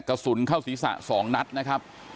กระสุนเข้าศีรษะ๒นัดนะครับ